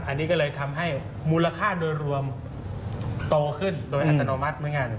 อันนี้ก็เลยทำให้มูลค่าโดยรวมโตขึ้นโดยอัตโนมัติเหมือนกัน